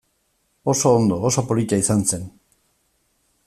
Oso ondo, oso polita izan zen.